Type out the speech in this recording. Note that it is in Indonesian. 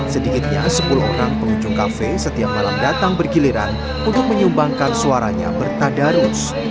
sedikitnya sepuluh orang pengunjung kafe setiap malam datang bergiliran untuk menyumbangkan suaranya bertadarus